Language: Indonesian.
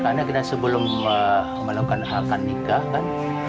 karena kita sebelum melakukan hak hak nikah kan